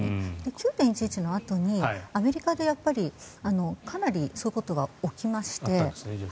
９・１１のあとにアメリカでかなりそういうことが起きまして。